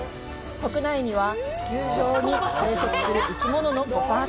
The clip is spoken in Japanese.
国内には地球上に生息する生き物の５％